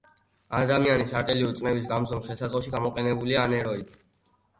ადამიანის არტერიული წნევის გამზომ ხელსაწყოში გამოყონებულია ანეროიდი